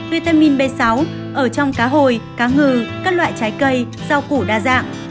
vitamin b sáu ở trong cá hồi cá ngừ các loại trái cây rau củ đa dạng